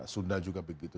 sunda juga begitu